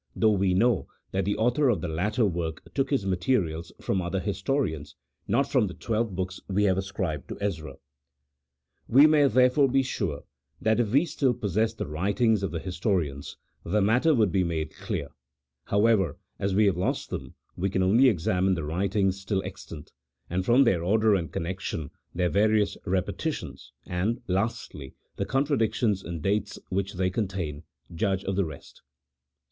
though we know that the author of the latter work took his materials from other historians, not from the twelve hooks we have ascribed to Ezra. We may therefore he sure that if we still possessed the writings of the historians, the matter would "be made clear ; however, as we have lost them, we can only examine the writings still extant, and from their order and connection, their various repetitions, and, lastly, the contradictions in dates which they contain, judge of the rest.